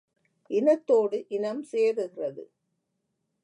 இனத்தோடு இனம் சேருகிறது!